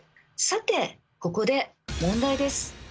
さてここで問題です。